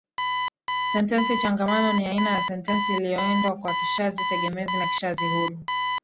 Sentensi changamano ni aina ya sentensi iliyoundwa kwa kishazi tegemezi na kishazi huru.